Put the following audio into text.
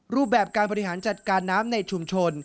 รูปแบบการบริหารจัดการน้ำในชุมชน